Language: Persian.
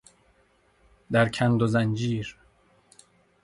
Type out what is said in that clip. در کند و زنجیر